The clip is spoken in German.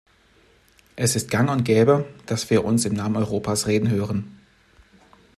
Es ist gang und gäbe, dass wir uns im Namen Europas reden hören.